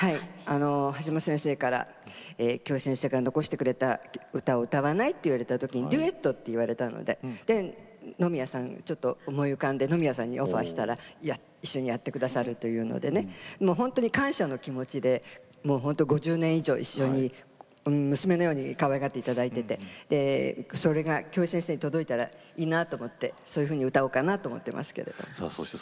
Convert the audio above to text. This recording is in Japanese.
橋本先生から京平先生が残してくれた歌を歌わない？と言われてデュエットと言われて野宮さんが思い浮かんでオファーしたら一緒にやってくださるというので感謝の気持ちで５０年以上一緒に娘のようにかわいがっていただいていて、それが京平先生に届いたらいいなと思ってそういうふうに歌おうと思ってます。